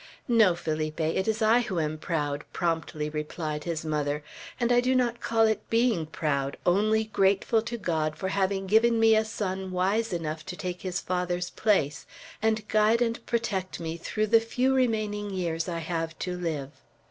"No, Felipe, it is I who am proud," promptly replied the mother; "and I do not call it being proud, only grateful to God for having given me a son wise enough to take his father's place, and guide and protect me through the few remaining years I have to live.